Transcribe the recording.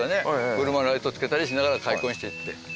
車のライトつけたりしながら開墾していって。